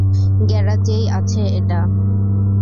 গ্যারেজেই আছে এটা!